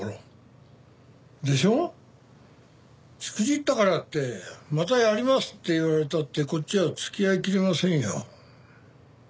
しくじったからってまたやりますって言われたってこっちは付き合いきれませんよ。